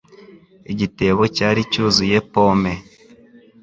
Igitebo cyari cyuzuye pome.